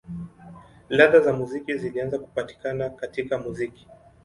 Ladha za muziki zilianza kupatikana katika muziki.